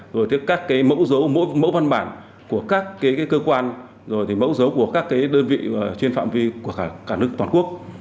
rồi các mẫu dấu mẫu văn bản của các cơ quan mẫu dấu của các đơn vị trên phạm vi của cả nước toàn quốc